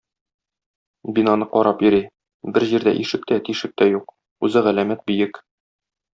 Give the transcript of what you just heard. Бинаны карап йөри, бер җирдә ишек тә, тишек тә юк, үзе галәмәт биек.